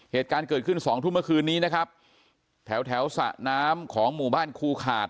เหตุการณ์เกิดขึ้นสองทุ่มเมื่อคืนนี้นะครับแถวแถวสระน้ำของหมู่บ้านคูขาด